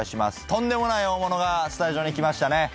とんでもない大物がスタジオに来ましたね。